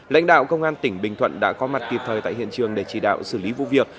lãnh đạo công an tỉnh bình thuận đã có mặt kịp thời tại hiện trường để chỉ đạo xử lý vụ việc